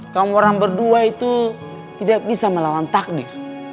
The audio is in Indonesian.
kamu orang berdua itu tidak bisa melawan takdir